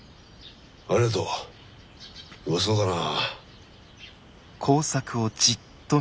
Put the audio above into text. ありがとう。うまそうだな。